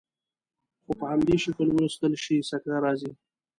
خو په همدې شکل ولوستل شي سکته راځي.